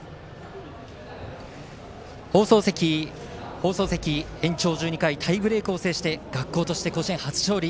放送席、延長１２回タイブレークを制して学校として甲子園初勝利。